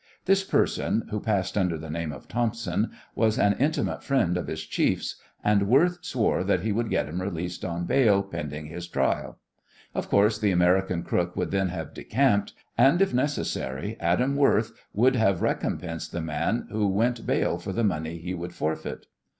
This person, who passed under the name of Thompson, was an intimate friend of his chiefs, and Worth swore that he would get him released on bail pending his trial. Of course, the American crook would then have decamped, and if necessary Adam Worth would have recompensed the man who went bail for the money he would forfeit.